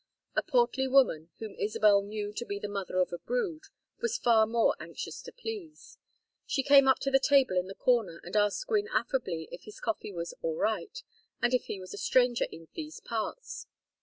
A portly woman, whom Isabel knew to be the mother of a brood, was far more anxious to please. She came up to the table in the corner and asked Gwynne affably if his coffee was "all right" and if he was a stranger in "these parts."